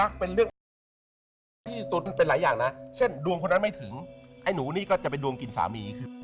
ขอบคุณแม่ครับ